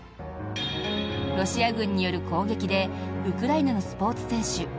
ロシア軍による攻撃でウクライナのスポーツ選手